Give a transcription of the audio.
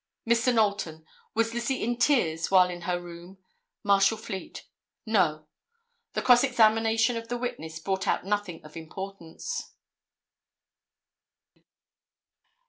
Mr. Knowlton—"Was Lizzie in tears while in her room." Marshal Fleet—"No." The cross examination of the witness brought out nothing of importance.